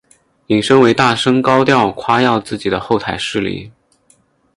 引申为大声高调夸耀自己的后台势力。